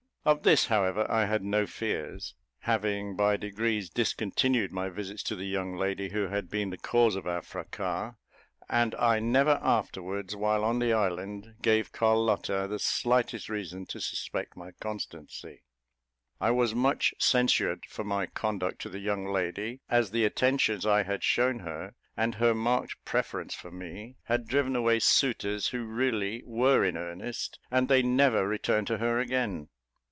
Of this, however, I had no fears, having by degrees discontinued my visits to the young lady who had been the cause of our fracas; and I never afterwards, while on the island, gave Carlotta the slightest reason to suspect my constancy. I was much censured for my conduct to the young lady, as the attentions I had shewn her, and her marked preference for me, had driven away suitors who really were in earnest, and they never returned to her again.